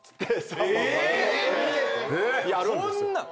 こんなん。